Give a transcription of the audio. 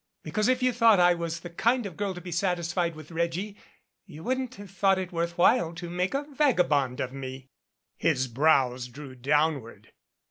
Be cause if you thought I was the kind of girl to be satisfied with Reggie, you wouldn't have thought it worth while to make a vagabond of me." His brows drew downward.